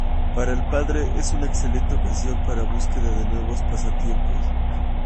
Para el padre es una excelente ocasión para la búsqueda de nuevos pasatiempos.